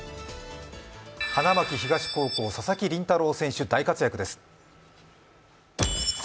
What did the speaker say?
花巻東高校・佐々木麟太郎選手、大活躍です。